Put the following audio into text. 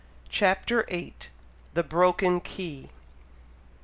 CHAPTER VIII. THE BROKEN KEY.